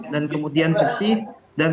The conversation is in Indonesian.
dan kemudian bersih dan